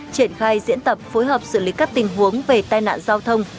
triển khai diễn tập phối hợp xử lý các tình huống về tai nạn giao thông